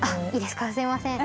すいません。